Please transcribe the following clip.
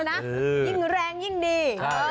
ยิ่งแรงยิ่งดี